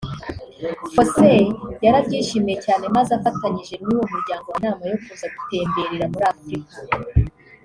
Fossey yarabyishimiye cyane maze afatanije n’uwo muryango bajya inama yo kuza gutemberera muri Africa